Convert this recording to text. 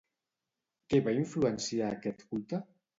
Què va influenciar aquest culte?